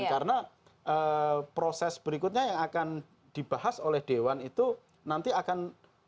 karena proses berikutnya yang akan dibahas oleh dewan itu nanti akan